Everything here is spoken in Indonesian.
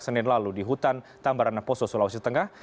senin lalu di hutan tambarana poso sulawesi tengah